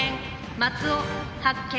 松尾発見。